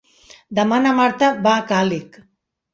Demà na Marta va a Càlig.